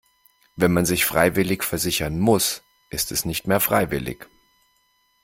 Wenn man sich freiwillig versichern muss, ist es nicht mehr freiwillig.